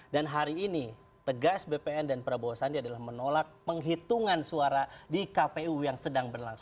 dan hari ini tegas bpn dan prabowo sandi adalah menolak penghitungan suara di kpu yang sedang berlangsung